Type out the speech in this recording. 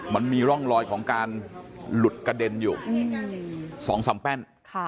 มันมีร่องรอยของการหลุดกระเด็นอยู่๒๓แป้น